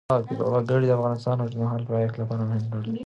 وګړي د افغانستان د اوږدمهاله پایښت لپاره مهم رول لري.